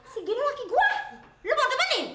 si gino laki gua lu mau temenin